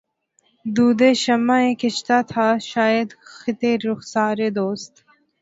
دودِ شمعِ کشتہ تھا شاید خطِ رخسارِ دوست